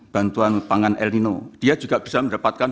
bantuan pangan el nino dia juga bisa mendapatkan